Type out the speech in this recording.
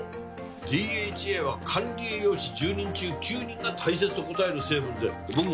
ＤＨＡは管理栄養士１０人中９人が大切と答える成分で僕もね